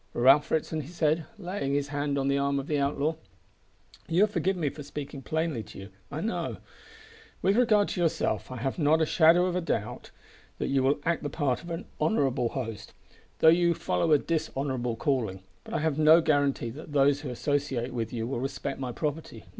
"Ralph Ritson," he said, laying his hand on the arm of the outlaw, "you'll forgive my speaking plainly to you, I know. With regard to yourself I have not a shadow of doubt that you will act the part of an honourable host, though you follow a dishonourable calling. But I have no guarantee that those who associate with you will respect my property.